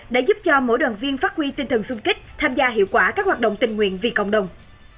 đã giúp cho mỗi đoàn viên phát huy tinh thần sung kích tham gia hiệu quả các hoạt động tình nguyện vì cộng đồng